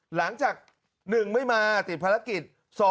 หลังจาก๑ไม่มาติดภารกิจ